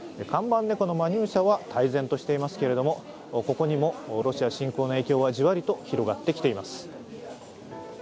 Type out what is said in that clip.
看板猫のマニューシャは泰然としていますけれどもここにもロシア侵攻の影響はじわりと広がってきています。